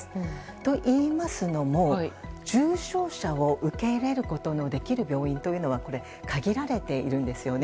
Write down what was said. といいますのも重症者を受け入れることのできる病院というのは限られているんですよね。